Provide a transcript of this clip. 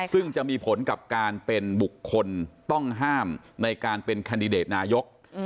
ซึ่งจะมีผลกับการเป็นบุคคลต้องห้ามในการเป็นแคนดิเดตนายก